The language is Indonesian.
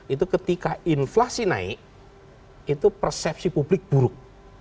itu ketika inflasi naik itu persepsi publik buruk